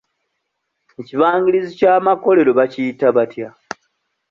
Ekibangirizi ky'amakolero bakiyita batya?